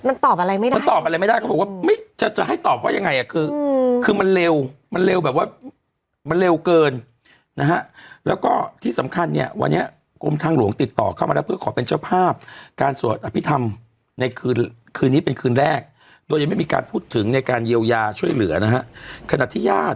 มันตอบอะไรไม่ได้มันตอบอะไรไม่ได้เขาบอกว่าไม่จะจะให้ตอบว่ายังไงอ่ะคือคือมันเร็วมันเร็วแบบว่ามันเร็วเกินนะฮะแล้วก็ที่สำคัญเนี่ยวันนี้กรมทางหลวงติดต่อเข้ามาแล้วเพื่อขอเป็นเจ้าภาพการสวดอภิษฐรรมในคืนคืนนี้เป็นคืนแรกโดยยังไม่มีการพูดถึงในการเยียวยาช่วยเหลือนะฮะขณะที่ญาติ